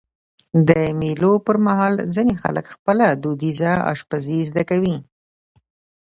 د مېلو پر مهال ځيني خلک خپله دودیزه اشپزي زده کوي.